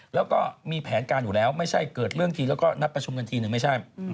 แล้วก็มีแผนการอยู่แล้วไม่ใช่เกิดเรื่องทีแล้วก็นัดประชุมกันทีนึงไม่ใช่